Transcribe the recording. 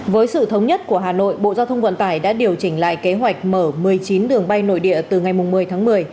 với sự thống nhất của hà nội bộ giao thông vận tải đã điều chỉnh lại kế hoạch mở một mươi chín đường bay nội địa từ ngày một mươi tháng một mươi